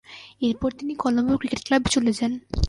এরপর তিনি কলম্বো ক্রিকেট ক্লাবে চলে যান।